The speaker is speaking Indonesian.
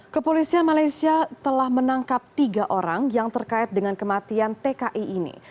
kepolisian malaysia telah menangkap tiga orang yang terkait dengan kematian tki ini